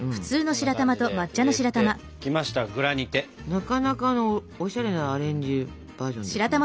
なかなかのおしゃれなアレンジバージョンですね。